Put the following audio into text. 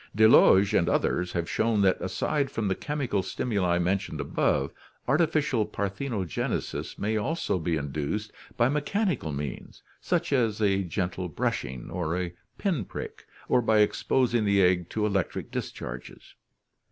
Delage and others have shown that aside from the chemical stimuli mentioned above, artificial parthenogenesis may also be induced by mechanical means such as a gentle brushing or a pin prick, or by exposing the egg to electric discharges.